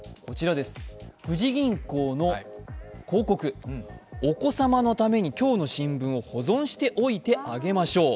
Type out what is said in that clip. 富士銀行の広告、「お子様のためにきょうの新聞を保存しておいてあげましょう」